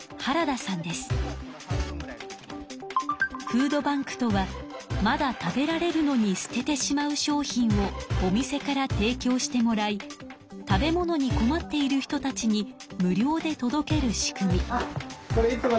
フードバンクとはまだ食べられるのに捨ててしまう商品をお店から提きょうしてもらい食べ物に困っている人たちに無料で届ける仕組み。